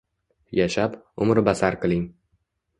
Yashab, umri basar qiling.